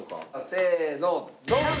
せーのドン！